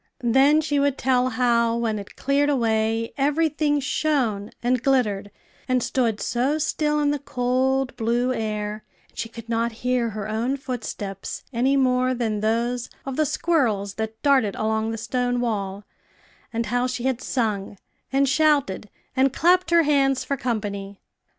Then she would tell how, when it cleared away, every thing shone, and glittered, and stood so still in the cold, blue air, and she could not hear her own footsteps any more than those of the squirrels that darted along the stone wall, and how she had sung, and shouted, and clapped her hands for company.